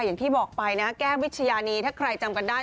อย่างที่บอกไปนะแก้มวิชญานีถ้าใครจำกันได้